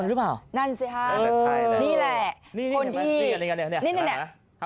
รูปเหมือนหรือเปล่า